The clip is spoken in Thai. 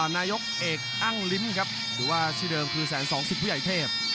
นายกเอกอ้างลิ้มครับหรือว่าชื่อเดิมคือแสนสองสิบผู้ใหญ่เทพ